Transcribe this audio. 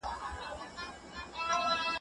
که د ميرمنو نومونه سره ورته وي، څه حکم دی؟